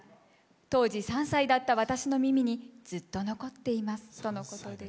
当時３歳だった私の耳にずっと残っていますとのことです。